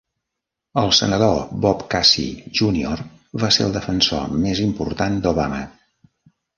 El senador Bob Casey, Junior va ser el defensor més important d'Obama.